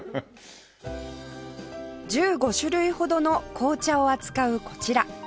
１５種類ほどの紅茶を扱うこちら